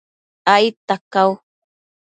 aidta cau